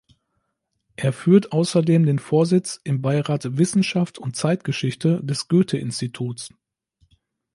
Er führt außerdem den Vorsitz im Beirat Wissenschaft und Zeitgeschichte des Goethe-Instituts.